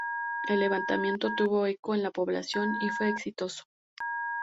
El levantamiento tuvo eco en la población y fue exitoso.